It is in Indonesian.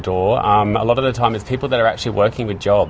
banyak kali orang orang yang sebenarnya bekerja dengan pekerjaan